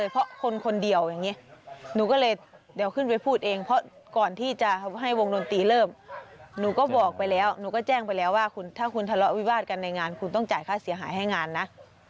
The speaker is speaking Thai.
แสนในใบที่เค้าเขียนไว้นั่นแหละไม่มีตังค์มึงอย่าห่าวอ่าค่ะ